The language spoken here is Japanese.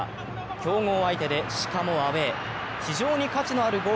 強豪相手で、しかもアウェー。